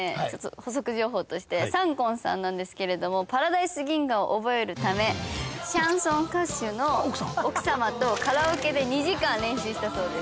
補足情報としてサンコンさんなんですけれども『パラダイス銀河』を覚えるためシャンソン歌手の奥様とカラオケで２時間練習したそうです。